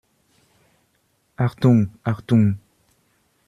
Achtung, Achtung!